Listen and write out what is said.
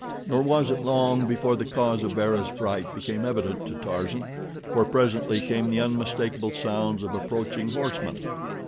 Nor was it long before the cause of Bara's fright became evident to Tarzan, for presently came the unmistakable sounds of approaching horsemen.